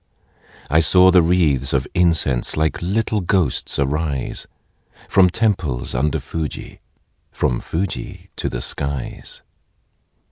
I saw the wreathes of incense Like little ghosts arise, From temples under Fuji, From Fuji to the skies.